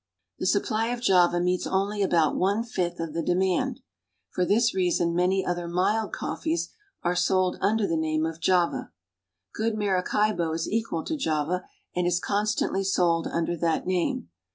The supply of Java meets only about one fifth of the demand. For this reason many other mild coffees are sold under the name of "Java." Good Maracaibo is equal to Java, and is constantly sold under that name.